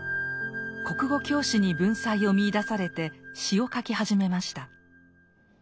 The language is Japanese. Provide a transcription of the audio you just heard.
国語教師に文才を見いだされて詩を書き始めました。